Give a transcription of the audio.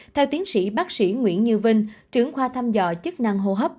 theo tiến sĩ bác sĩ nguyễn như vinh trưởng khoa thăm dò chức năng hô hấp